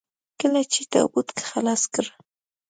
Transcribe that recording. کله چې يې تابوت خلاص کړ.